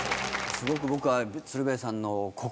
すごく僕は。